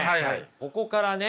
ここからね